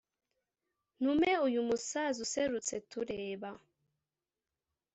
Ntume uyu musaza userutse tureba